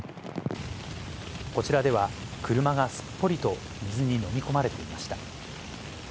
こちらでは、車がすっぽりと水に飲み込まれていました。